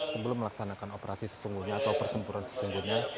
sebelum melaksanakan operasi sesungguhnya atau pertempuran sesungguhnya